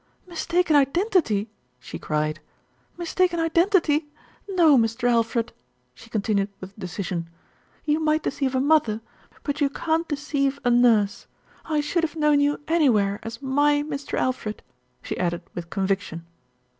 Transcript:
"Mistaken identity!" she cried. "Mistaken identity! No, Mr. Alfred," she continued with decision, "you might deceive a mother; but you can't deceive a nurse. I should have known you anywhere as my Mr. Alfred," she added with conviction.